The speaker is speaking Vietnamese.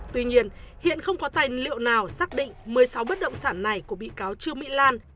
tuy nhiên hiện không có tài liệu nào xác định một mươi sáu bất động sản này của bị cáo trương mỹ lan